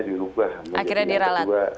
dirubah menjadi yang kedua